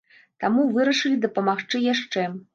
Таму вырашылі дапамагчы яшчэ.